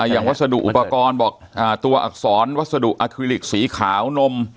วัสดุอุปกรณ์บอกตัวอักษรวัสดุอาคิลิกสีขาวนม